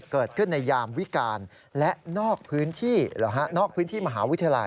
เกิดขึ้นในยามวิการและนอกพื้นที่วิทยาลัย